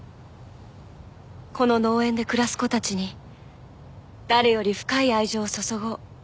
この農園で暮らす子たちに誰より深い愛情を注ごう。